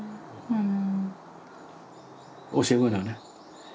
うん。